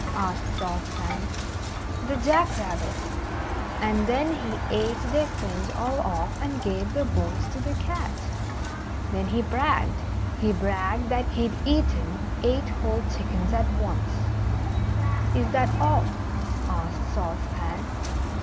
asked Sauce Pan. "The Jack Rabbit and then he ate their fringe all off, and gave the bones to the cat. Then he bragged he bragged that he'd eaten eight whole chickens at once." "Is that all?" asked Sauce Pan.